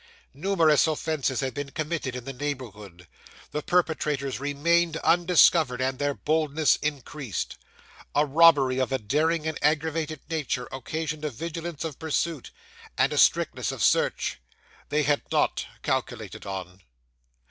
Numerous offences had been committed in the neighbourhood; the perpetrators remained undiscovered, and their boldness increased. A robbery of a daring and aggravated nature occasioned a vigilance of pursuit, and a strictness of search, they had not calculated on.